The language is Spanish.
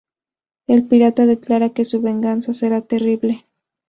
El pirata declara que su venganza será terrible.